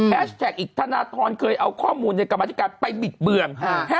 แฮสแท็กอีกธนธรเคยเอาข้อมูลรถกรรมาติการไปบิดเบือง